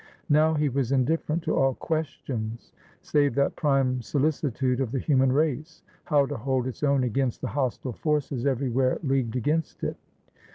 Now he was indifferent to all "questions" save that prime solicitude of the human race, how to hold its own against the hostile forces everywhere leagued against it.